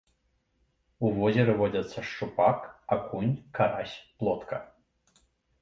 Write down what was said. У возеры водзяцца шчупак, акунь, карась, плотка.